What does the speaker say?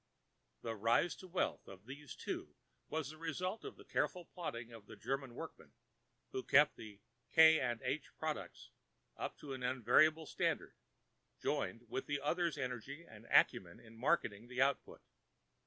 The rise to wealth of these two was the result of the careful plodding of the German workman, who kept the "K. & H." products up to an unvarying standard, joined with the other's energy and acumen in marketing the output.